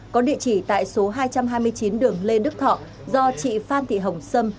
có địa chỉ tại số hai trăm hai mươi chín đường lê đức thọ do chị phan thị hồng sâm